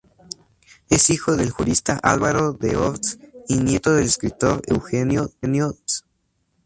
Es hijo del jurista Álvaro d'Ors y nieto del escritor Eugenio d'Ors.